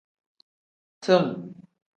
Tim.